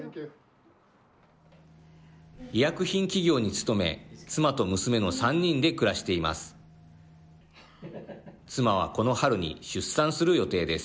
医薬品企業に勤め妻と娘の３人で暮らしています。